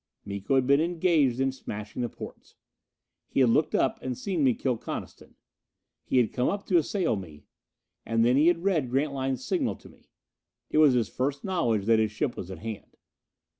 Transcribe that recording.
Miko had been engaged in smashing the portes. He had looked up and seen me kill Coniston. He had come up to assail me. And then he had read Grantline's signal to me. It was his first knowledge that his ship was at hand.